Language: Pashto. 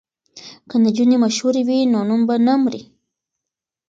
که نجونې مشهورې وي نو نوم به نه مري.